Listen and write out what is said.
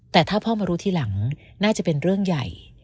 แต่ถ้าพ่อมารู้ทีหลังน่าจะเป็นเรื่องใหญ่